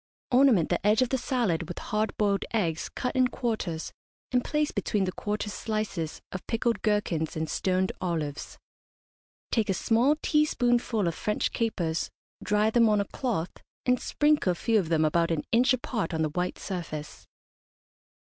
Ornament the edge of the salad with hard boiled eggs cut in quarters, and place between the quarters slices of pickled gherkins and stoned olives. Take a small teaspoonful of French capers, dry them on a cloth, and sprinkle a few of them about an inch apart on the white surface.